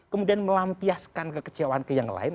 kemudian melampiaskan kekecewaan ke yang lain